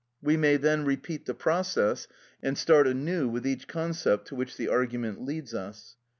We may then repeat the process, and start anew with each concept to which the argument leads us.